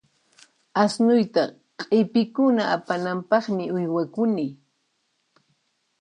Asnuyta q'ipikuna apananpaqmi uywakuni.